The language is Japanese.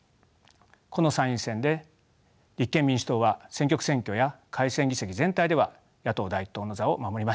この参院選で立憲民主党は選挙区選挙や改選議席全体では野党第一党の座を守りました。